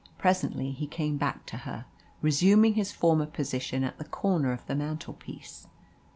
Presently he came back to her, resuming his former position at the corner of the mantelpiece.